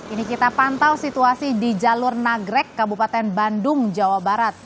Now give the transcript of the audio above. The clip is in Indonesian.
ini kita pantau situasi di jalur nagrek kabupaten bandung jawa barat